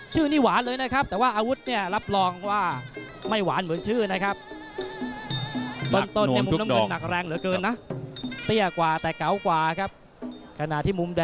ชื่อนี้หวานเลยนะครับแต่ว่าอาวุธนี่